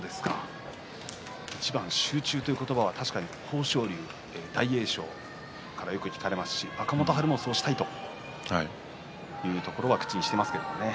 一番集中という言葉は確かに豊昇龍、大栄翔からよく聞かれますし若元春もそうしたいというところは口にしていますけれどもね。